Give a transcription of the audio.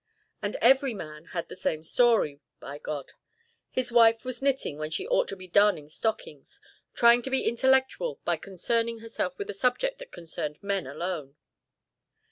And every man had the same story, by God; his wife was knitting when she ought to be darning stockings; trying to be intellectual by concerning herself with a subject that concerned men alone.